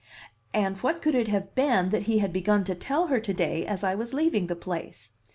And what could it have been that he had begun to tell her to day as I was leaving the place?